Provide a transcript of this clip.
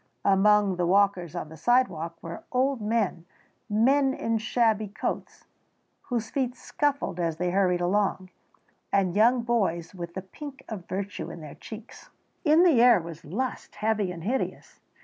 Among the walkers on the sidewalk were old men, men in shabby coats whose feet scuffled as they hurried along, and young boys with the pink of virtue in their cheeks. In the air was lust, heavy and hideous.